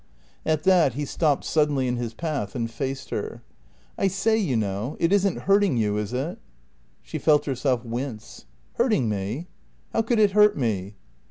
At that he stopped suddenly in his path, and faced her. "I say, you know, it isn't hurting you, is it?" She felt herself wince. "Hurting me? How could it hurt me?"